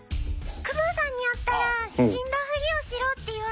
クマさんに遭ったら死んだふりをしろって言われて。